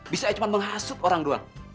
bisa aja cuma menghasut orang doang